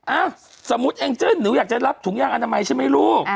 สมมุติแองเจิ้นหนูอยากจะรับถุงยางอนามัยใช่ไหมลูก